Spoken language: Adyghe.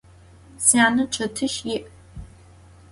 Syane çetiş yi'.